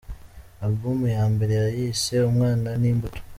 Album ya mbere yayise “Umwana ni Imbuto”.